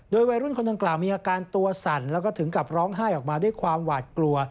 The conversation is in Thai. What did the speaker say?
วัยรุ่นคนดังกล่าวมีอาการตัวสั่นแล้วก็ถึงกับร้องไห้ออกมาด้วยความหวาดกลัว